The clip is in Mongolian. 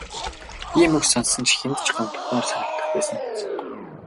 Ийм үг сонссон хэнд ч гомдмоор санагдах байсан биз.